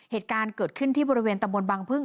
เหตุการณ์เกิดขึ้นที่บริเวณตำบลบังพึ่ง